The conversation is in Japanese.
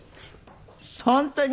本当に？